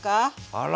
あら！